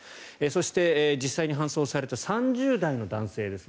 そして、実際に搬送された３０代の男性です。